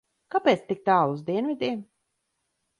Kāpēc tik tālu uz dienvidiem?